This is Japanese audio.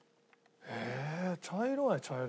え茶色は茶色。